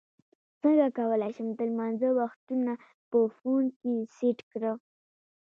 څنګه کولی شم د لمانځه وختونه په فون کې سیټ کړم